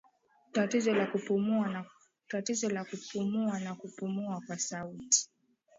Tatizo la kupumua na kupumua kwa sauti